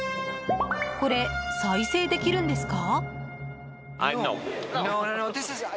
これ、再生できるんですか？